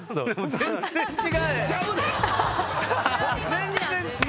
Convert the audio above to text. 全然違うで！